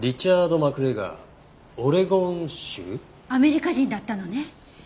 アメリカ人だったのね。